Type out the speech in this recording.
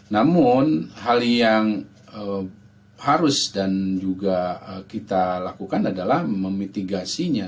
namun hal yang harus dan juga kita lakukan adalah memitigasinya